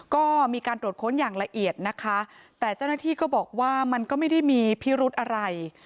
ก็มีการตรวจค้นอย่างละเอียดนะคะแต่เจ้าหน้าที่ก็บอกว่ามันก็ไม่ได้มีพิรุธอะไร